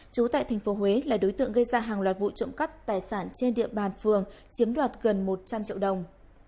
chú tại tp huế là đối tượng gây ra hàng loạt vụ trộm cắp tài sản trên địa bàn phường chiếm đoạt gần một trăm linh triệu đồng